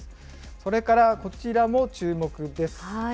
それからこちらも注目です。